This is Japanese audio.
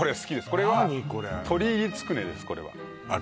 これは鶏つくねですあっ